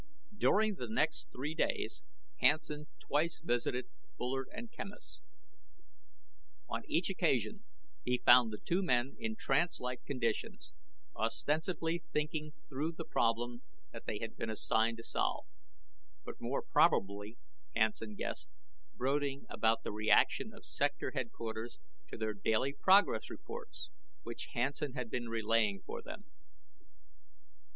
During the next three days, Hansen twice visited Bullard and Quemos. On each occasion, he found the two men in trance like conditions, ostensibly thinking through the problem that they had been assigned to solve, but more probably, Hansen guessed, brooding about the reaction of Sector Headquarters to their daily progress reports which Hansen had been relaying for them.